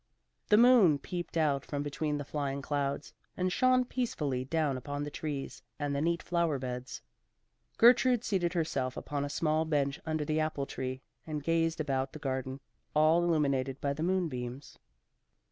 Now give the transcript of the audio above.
The moon peeped out from between the flying clouds, and shone peacefully down upon the trees and the neat flower beds. Gertrude seated herself upon a small bench under the apple tree, and gazed about the garden, all illuminated by the moonbeams.